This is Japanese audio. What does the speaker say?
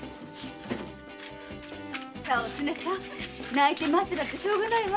泣いて待ってたってしょうがないわ。